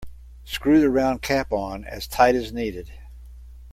Screw the round cap on as tight as needed.